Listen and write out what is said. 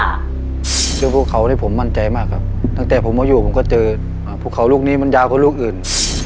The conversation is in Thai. คือพวกเขานี่ผมมั่นใจมากครับตั้งแต่ผมมาอยู่ผมก็เจอพวกเขาลูกนี้มันยาวกว่าลูกอื่น